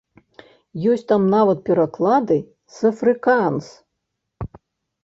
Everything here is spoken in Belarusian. Ёсць там нават пераклады з афрыкаанс.